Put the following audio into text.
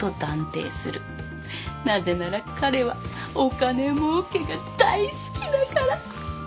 なぜなら彼はお金もうけが大好きだから！